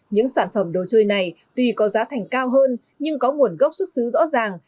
những sản phẩm đồ chơi này tuy có giá thành cao hơn nhưng có nguồn gốc xuất xứ rõ ràng